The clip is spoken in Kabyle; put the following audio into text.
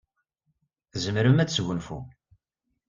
Tzemrem ad tesgunfum.